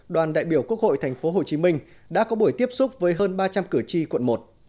đoàn đại biểu quốc hội tp hcm đã có buổi tiếp xúc với hơn ba trăm linh cử tri quận một